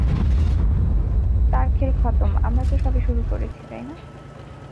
তার খেল খতম আমরা তো সবে শুরু করেছি, তাই না?